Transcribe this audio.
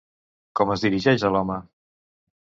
Com es dirigeix a l'home?